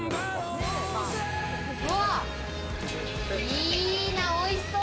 いいな、おいしそう！